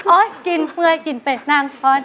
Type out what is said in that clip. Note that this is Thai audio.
โอ๊ยกินเมื่อกินไปนั่งคอน